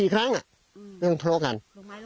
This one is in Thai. ๔ครั้งเรื่องทะเลาะกัน